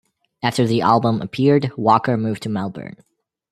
After the album appeared Walker moved to Melbourne.